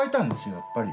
やっぱり。